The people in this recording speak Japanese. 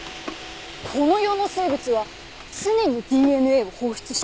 この世の生物は常にＤＮＡを放出してる。